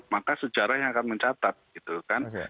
maka sejarah yang akan mencatat gitu kan